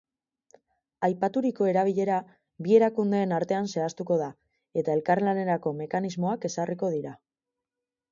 Aipaturiko erabilera bi erakundeen artean zehaztuko da, eta elkarlanerako mekanismoak ezarriko dira.